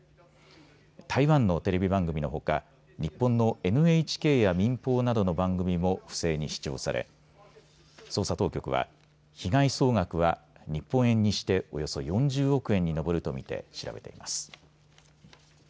台湾のテレビ番組のほか日本のＮＨＫや民放などの番組も不正に視聴され捜査当局は被害総額は日本円にしておよそ４０億円に上ると見て調べています。